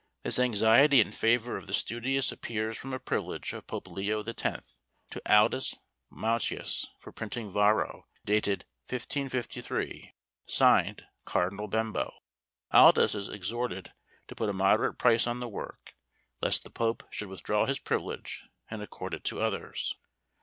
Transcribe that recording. This anxiety in favour of the studious appears from a privilege of Pope Leo X. to Aldus Manutius for printing Varro, dated 1553, signed Cardinal Bembo. Aldus is exhorted to put a moderate price on the work, lest the Pope should withdraw his privilege, and accord it to others.